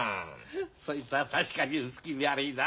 そいつは確かに薄気味悪いな。